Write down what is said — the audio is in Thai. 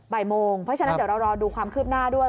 บ่ายโมงเพราะฉะนั้นเดี๋ยวเรารอดูความคืบหน้าด้วย